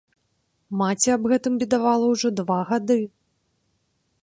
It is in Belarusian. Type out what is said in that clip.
Маці аб гэтым бедавала ўжо два гады.